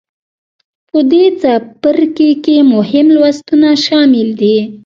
په دې څپرکې کې مهم لوستونه شامل دي.